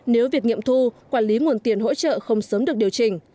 nếu việc nghiệm thu quản lý nguồn tiền hỗ trợ không sớm được điều chỉnh